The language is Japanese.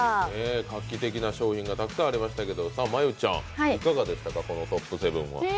画期的な商品がたくさんありましたけど、真悠ちゃん、いかがでしたか、このトップ７は。